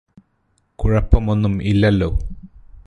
കുഴപ്പമൊന്നും ഇല്ലല്ലോ